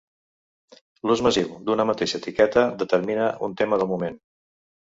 L'ús massiu d'una mateixa etiqueta determina un tema del moment.